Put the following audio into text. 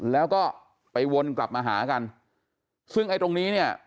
แล้วก็ไปวนกลับมาหากันซึ่งไอ้ตรงนี้เนี่ย